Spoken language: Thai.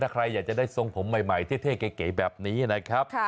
ใครอยากจะได้ทรงผมใหม่เท่เก๋แบบนี้นะครับ